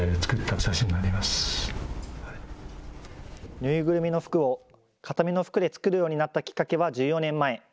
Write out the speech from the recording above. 縫いぐるみの服を形見の服で作るようになったきっかけは１４年前。